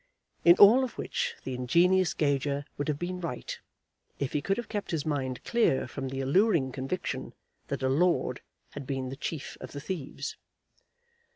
In all of which the ingenious Gager would have been right, if he could have kept his mind clear from the alluring conviction that a lord had been the chief of the thieves.